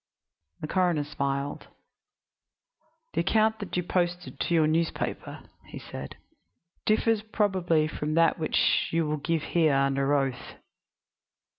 The coroner smiled. "The account that you posted to your newspaper," he said, "differs probably from that which you will give here under oath."